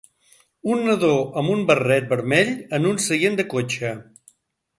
Un nadó amb un barret vermell en un seient de cotxe.